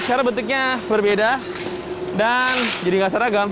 secara bentuknya berbeda dan jadi tidak seragam